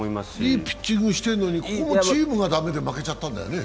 いいピッチングしているのに、ここもチームが駄目で負けちゃったんだよね。